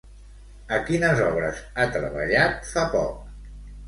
A quines obres ha treballat fa poc?